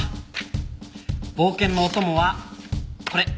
冒険のお供はこれ！